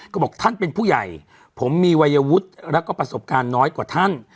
ก็บอกท่านเป็นผู้ใหญ่ผมมีวัยวุฒิแล้วก็ประสบการณ์น้อยกว่าท่าน